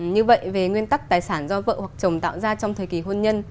như vậy về nguyên tắc tài sản do vợ hoặc chồng tạo ra trong thời kỳ hôn nhân